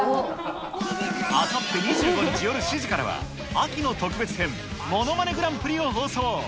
あさって２５日夜７時からは、秋の特別編、ものまねグランプリを放送。